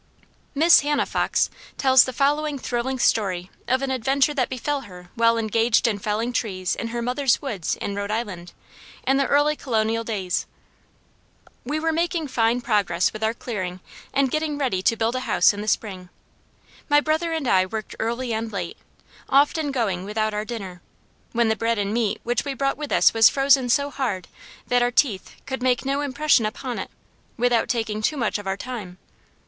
Miss Hannah Fox tells the following thrilling story of an adventure that befel her while engaged in felling trees in her mother's woods in Rhode Island, in the early colonial days. We were making fine progress with our clearing and getting ready to build a house in the spring. My brother and I worked early and late, often going without our dinner, when the bread and meat which we brought with us was frozen so hard that our teeth could make no impression upon it, without taking too much of our time.